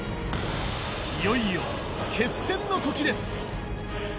いよいよ、決戦の時です。